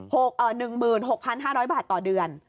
๑หมื่น๖๕๐๐บาทต่อเดือน